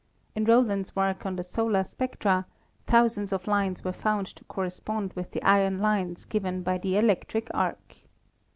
In Rowland's work on the solar spectra thousands of lines were found to correspond with the iron lines given by the electric arc.